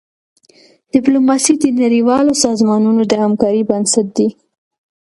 ډيپلوماسي د نړیوالو سازمانونو د همکارۍ بنسټ دی.